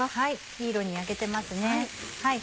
いい色に焼けてますね。